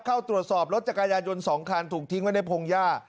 เข้าตรวจสอบรถจักรยายน๒คันถูกทิ้งไว้ในพงหญ้า